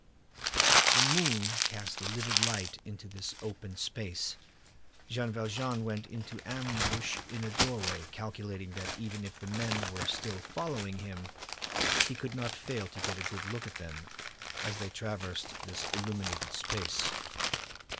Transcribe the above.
The moon cast a livid light into this open space. Jean Valjean went into ambush in a doorway, calculating that if the men were still following him, he could not fail to get a good look at them, as they traversed this illuminated space.